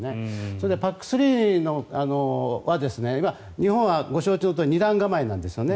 それでＰＡＣ３は今、日本はご承知のとおり二段構えなんですよね。